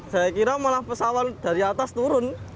saya kira malah pesawat dari atas turun